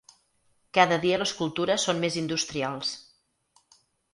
Cada dia les cultures són més industrials.